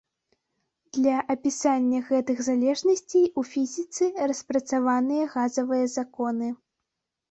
Для апісання гэтых залежнасцей у фізіцы распрацаваныя газавыя законы.